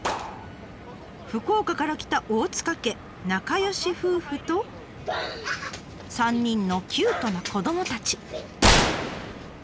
福岡から来た大塚家仲良し夫婦と３人のキュートな子どもたち。